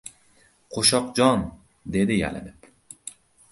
— Qo‘shoqjon... — dedi yalinib.